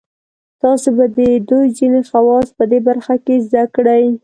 تاسې به د دوی ځینې خواص په دې برخه کې زده کړئ.